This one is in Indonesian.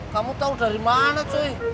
kamu tau dari mana cuy